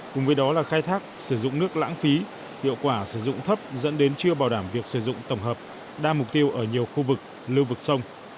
cùng với đó là khai thác sử dụng nước lãng phí hiệu quả sử dụng thấp dẫn đến chưa bảo đảm việc sử dụng tổng hợp đa mục tiêu ở nhiều khu vực lưu vực sông